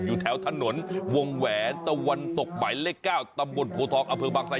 อยู่แถวถนนวงแหวนตะวันตกหมายเลข๙ตำบลโพทองอำเภอบางไซ